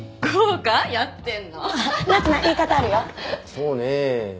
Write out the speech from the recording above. そうねえ。